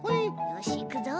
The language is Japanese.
よしいくぞ。